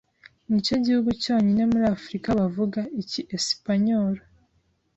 nicyo gihugu cyonyine muri Africa bavuga iki Esipanyoro